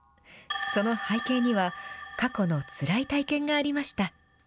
その背景には過去のつらい体験がありました。